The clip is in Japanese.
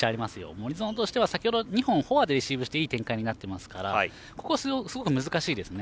森薗としては先ほど２本フォアでレシーブしていい展開になってますからここ、すごく難しいですね。